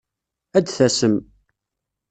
Ad tasem.